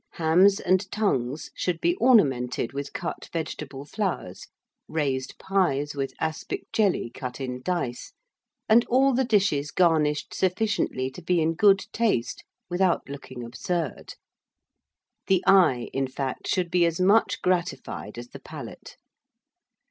Hams and tongues should be ornamented with cut vegetable flowers, raised pies with aspic jelly cut in dice, and all the dishes garnished sufficiently to be in good taste without looking absurd. The eye, in fact, should be as much gratified as the palate.